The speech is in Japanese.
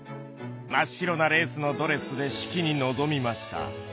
真っ白なレースのドレスで式に臨みました。